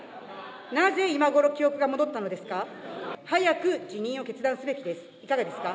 なぜ今ごろ、記憶が戻ったのですか。